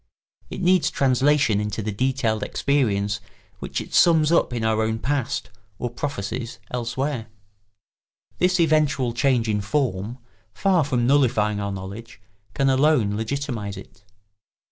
It needs translation into the detailed experience which it sums up in our own past or prophecies elsewhere. This eventual change in form, far from nullifying our knowledge, can alone legitimise it.